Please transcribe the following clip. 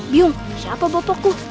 biung siapa bopoku